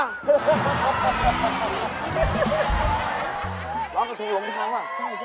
ร้องกระโถงลงท้าว่ะ